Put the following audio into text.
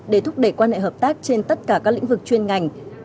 để thúc đẩy quan hệ hợp tác trên tất cả các lĩnh vực chuyên ngành